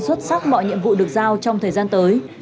xuất sắc mọi nhiệm vụ được giao trong thời gian tới